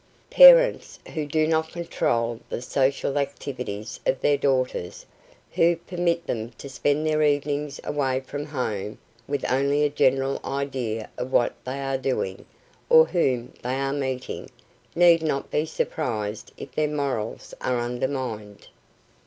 Parents who do not control the social activities of their daughters, who permit them to spend their evenings away from home with only a general idea of what they are doing or whom they are meeting, need not be surprised if their morals are undermined.